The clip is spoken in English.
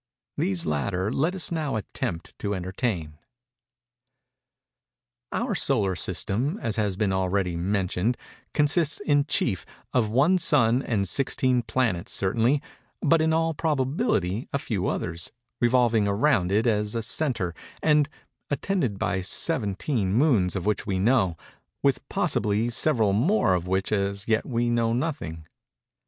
These latter let us now attempt to entertain. Our solar system, as has been already mentioned, consists, in chief, of one sun and sixteen planets certainly, but in all probability a few others, revolving around it as a centre, and attended by seventeen moons of which we know, with possibly several more of which as yet we know nothing.